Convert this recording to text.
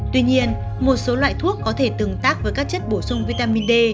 tuy nhiên một số loại thuốc có thể tương tác với các chất bổ sung vitamin d